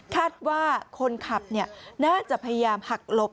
คาดว่าคนขับน่าจะพยายามหักหลบ